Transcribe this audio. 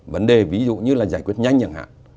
vấn đề ví dụ như là giải quyết nhanh nhẳng hạng